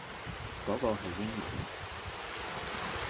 嗰個係英文